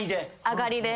上がりで。